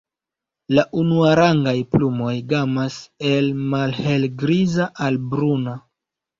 La unuarangaj plumoj gamas el malhelgriza al bruna.